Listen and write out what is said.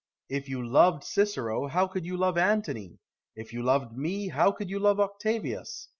If you loved Cicero, how could you love Antony? If you loved me, how could you love Octavius?